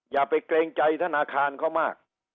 อย่าไปเกรงใจธนาคารเขามาก